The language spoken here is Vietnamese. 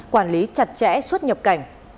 quản lý chặt chẽ xuất nhập cảnh